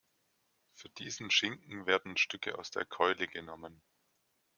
Für diesen Schinken werden Stücke aus der Keule genommen.